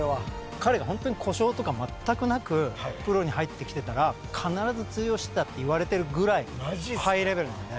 彼は本当に故障とか全くなくプロに入ってきてたら必ず通用してたっていわれてるぐらいハイレベルなんで。